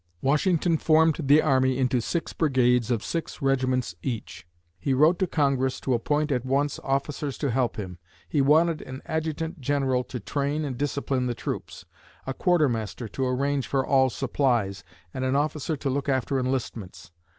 Washington formed the army into six brigades of six regiments each. He wrote to Congress to appoint at once officers to help him. He wanted an adjutant general to train and discipline the troops; a quartermaster to arrange for all supplies, and an officer to look after enlistments.